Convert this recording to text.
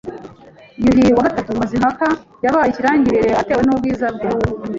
Yuhi III Mazimpaka yabaye ikirangirire itewe n’ubwiza bwe